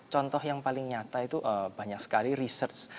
contoh yang paling nyata itu banyak sekali research